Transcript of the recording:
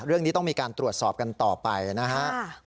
เรื่องนี้ต้องมีการตรวจสอบกันต่อไปนะครับ